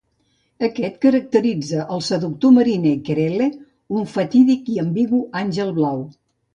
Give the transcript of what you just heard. Aquest caracteritza el seductor mariner Querelle, un fatídic i ambigu àngel blau.